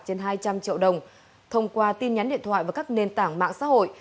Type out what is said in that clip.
trên hai trăm linh triệu đồng thông qua tin nhắn điện thoại và các nền tảng mạng xã hội